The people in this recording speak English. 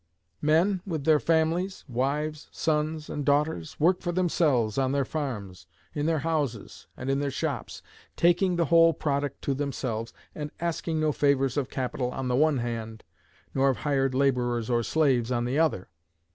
Men, with their families wives, sons, and daughters work for themselves, on their farms, in their houses, and in their shops, taking the whole product to themselves, and asking no favors of capital on the one hand, nor of hired laborers or slaves on the other.